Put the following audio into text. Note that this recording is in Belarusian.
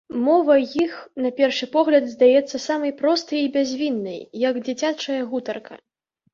Мова іх на першы погляд здаецца самай простай і бязвіннай, як дзіцячая гутарка.